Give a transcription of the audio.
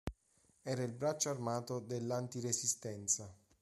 Era il braccio armato dell'anti-resistenza.